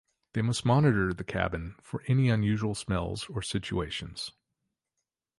They must monitor the cabin for any unusual smells or situations.